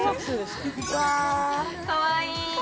かわいい。